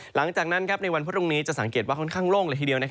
หลังจากนั้นในวันพรุ่งนี้จะสังเกตว่าค่อนข้างโล่งเลยทีเดียว